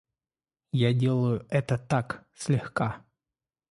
Я делаю это так, слегка.